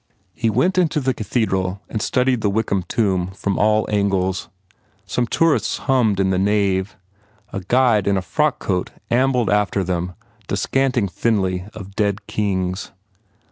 He went into the cathedral and studied the Wykeham tomb from all angles. Some tourists hummed in the nave; a guide in a frock coat ambled after them descanting thinly of dead kings.